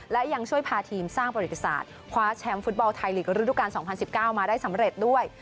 และยังช่วยพาทีมสร้างประวัติศาสตร์คว้าแชมป์ฟุตบอลไทยลีกระดูกาล๒๐๑๙มาได้สำเร็จด้วย